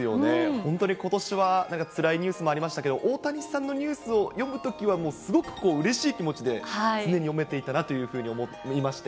本当にことしは、なんかつらいニュースもありましたけど、大谷さんのニュースを読むときは、もうすごくうれしい気持ちで、常に読めていたなというふうに思いまして。